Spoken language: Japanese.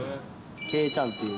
けいちゃんっていう。